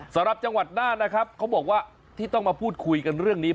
สำหรับจังหวัดน่านนะครับเขาบอกว่าที่ต้องมาพูดคุยกันเรื่องนี้